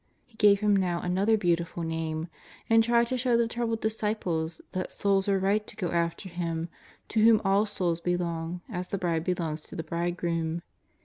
He gave Him now another beautiful name, and tried to show the troubled disciples that souls were right to go after Him to whom all souls belong as the bride belongs to the bridegroom.